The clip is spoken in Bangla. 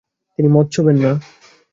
তিনি মদ ছোঁবেন না।